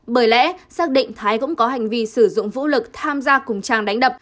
bởi lẽ xác định thái cũng có hành vi sử dụng vũ lực tham gia cùng trang đánh đập